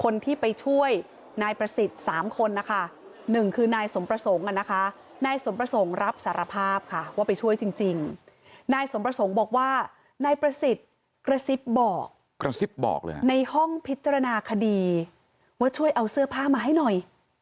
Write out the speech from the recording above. ในห้องพิจารณาคดีว่าช่วยเอาเสื้อผ้ามาให้หน่อย